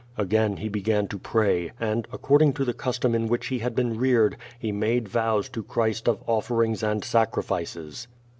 Again he began to pray, and, according to the custom in which he had been reared, he made vows to Christ of olferings and sacrifices.